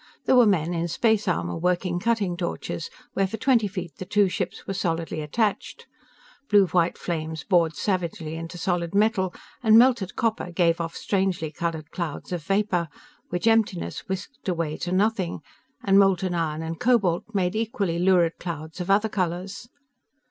There were men in space armor working cutting torches where for twenty feet the two ships were solidly attached. Blue white flames bored savagely into solid metal, and melted copper gave off strangely colored clouds of vapor which emptiness whisked away to nothing and molten iron and cobalt made equally lurid clouds of other colors.